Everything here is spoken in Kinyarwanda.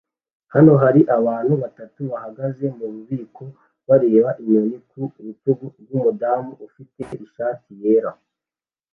Hano hari abantu batatu bahagaze mububiko bareba inyoni ku rutugu rwumudamu ufite ishati yera